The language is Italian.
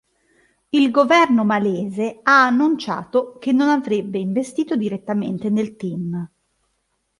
Il governo malese ha annunciato che non avrebbe investito direttamente nel "team".